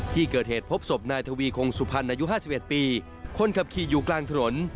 ที่เกิดเหตุพบศพนายทวีคงสุพรรณอายุ๕๑ปีคนขับขี่อยู่กลางถนน